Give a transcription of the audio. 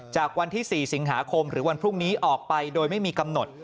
จากวันที่๔สิงหาคมหรือวันพรุ่งนี้ออกไปโดยไม่มีกำหนด